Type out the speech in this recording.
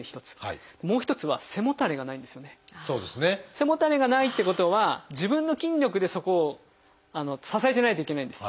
背もたれがないってことは自分の筋力でそこを支えてないといけないんです。